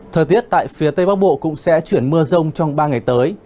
thời tiết tại phía tây bắc bộ cũng sẽ chuyển mưa rông trong ba ngày tới